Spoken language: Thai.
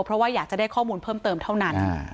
เพราะว่าอยากจะได้ข้อมูลเพิ่มเติมเท่านั้น